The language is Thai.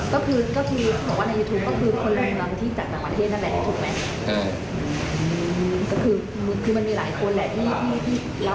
บอกว่าในยูทูปก็คือคนกำลังจัดต่างประเทศนั่นแหละ